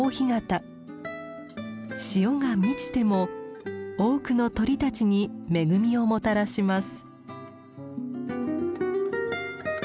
潮が満ちても多くの鳥たちに恵みをもたらします。